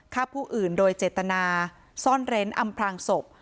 ฆ่าผู้อื่นโดยเจตนาซ่อนเร้นอำพลางศพ